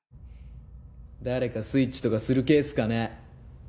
誰かスイッチとかする系っすかね？